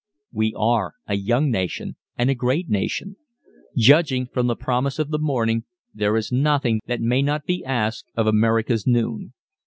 We are a young nation and a great nation. Judging from the promise of the morning, there is nothing that may not be asked of America's noon.